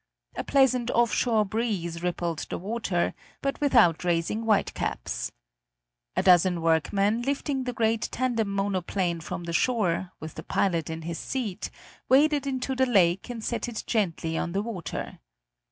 A pleasant off shore breeze rippled the water, but without raising whitecaps. A dozen workmen, lifting the great tandem monoplane from the shore, with the pilot in his seat, waded into the lake and set it gently on the water.